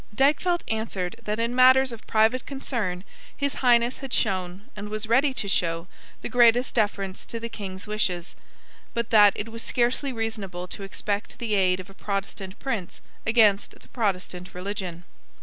Dykvelt answered that in matters of private concern His Highness had shown, and was ready to show, the greatest deference to the King's wishes; but that it was scarcely reasonable to expect the aid of a Protestant prince against the Protestant religion.